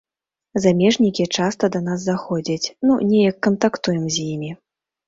Замежнікі часта да нас заходзяць, ну неяк кантактуем з імі.